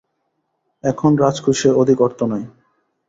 এখন রাজকোষে অধিক অর্থ নাই।